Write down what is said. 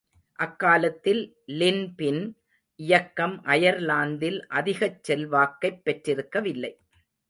அக்காலத்தில் லின்பின் இயக்கம் அயர்லாந்தில் அதிகச் செல்வாக்கைப் பெற்றிருக்கவில்லை.